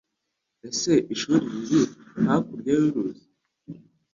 Ese ishuri riri hakurya yuruzi?